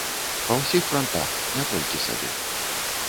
Па ўсіх франтах, не толькі сабе.